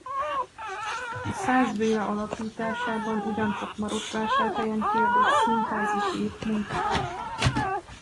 A Szász Béla alapításában ugyancsak Marosvásárhelyen kiadott Színházi Hét munkatársa.